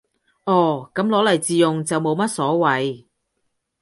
哦，噉攞嚟自用就冇乜所謂